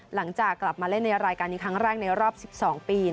หลังจากกลับมาเล่นในรายการนี้ครั้งแรกในรอบ๑๒ปี